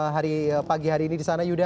hari pagi hari ini disana yuda